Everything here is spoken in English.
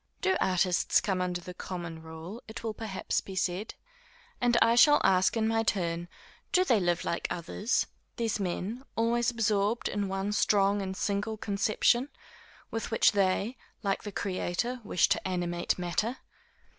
_ Do artists come under the common rule, it will perhaps be said? and I shall ask, in my turn: Do they live like others, these men, always absorbed in one strong and single conception, with which they, like the Creator, wish to animate matter?